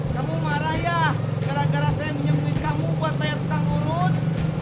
kamu marah ya gara gara saya menyembuhi kamu buat tayar petang urut